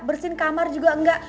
bersihin kamar juga enggak